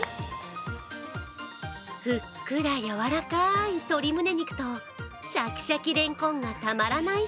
ふっくら柔らかい鶏むね肉とシャキシャキれんこんがたまらない